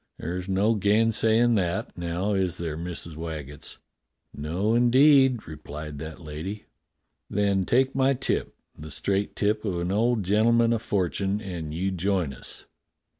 There's no gainsay in' that, now, is there. Missus Waggetts.?" "No, indeed," replied that lady. "Then take my tip, the straight tip of an old gentle man o' fortune, and you join us."